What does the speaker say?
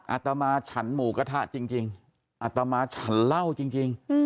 อาตมาฉันหมูกระทะจริงอัตมาฉันเล่าจริง